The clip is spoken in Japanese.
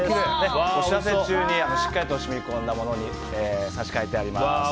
お知らせ中にしっかりと染み込んだものに差し替えています。